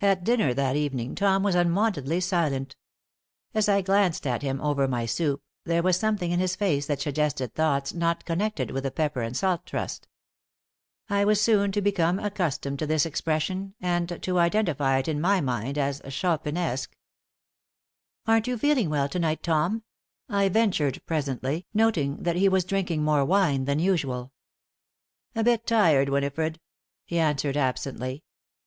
At dinner that evening, Tom was unwontedly silent. As I glanced at him over my soup there was something in his face that suggested thoughts not connected with the Pepper and Salt Trust. I was soon to become accustomed to this expression and to identify it in my mind as "Chopinesque." "Aren't you feeling well to night, Tom?" I ventured presently, noting that he was drinking more wine than usual. "A bit tired, Winifred," he answered, absently.